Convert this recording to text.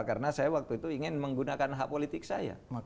karena saya waktu itu ingin menggunakan hak politik saya